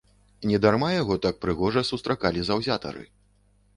Не дарма яго так прыгожа сустракалі заўзятары.